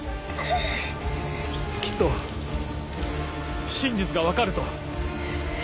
きっと真実が分かると。